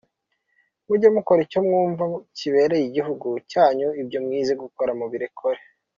Mujye mukora icyo mwumva kibereye igihugu cyanyu, ibyo mwize gukora mubikore”.